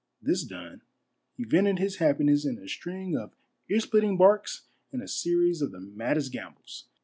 This done, he vented his happiness in a string of ear splitting barks and a series of the maddest gambols.